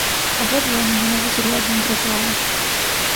Абодва яны ненавідзелі адзін другога.